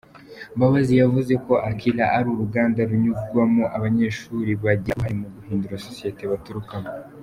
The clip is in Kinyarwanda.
Mbabazi yavuze ko Akilah ari uruganda runyuzwamo abanyeshuri bagira uruhare mu guhindura sosiyete baturukamo.